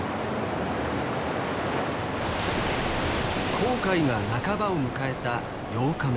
航海が半ばを迎えた８日目。